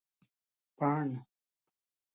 بڼ